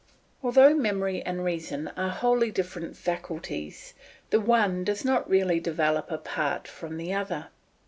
Although memory and reason are wholly different faculties, the one does not really develop apart from the other.